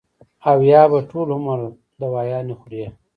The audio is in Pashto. او يا به ټول عمر دوايانې خوري -